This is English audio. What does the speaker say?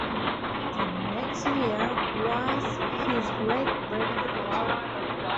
The next year was his great breakthrough.